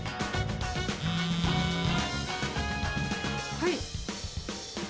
はい。